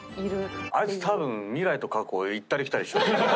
あいつたぶん未来と過去を行ったり来たりしとる。